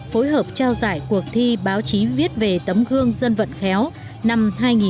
phối hợp trao giải cuộc thi báo chí viết về tấm gương dân vận khéo năm hai nghìn một mươi chín